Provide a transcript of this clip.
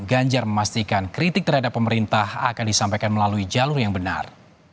ganjar memastikan kritik terhadap pemerintah akan disampaikan melalui jalur yang benar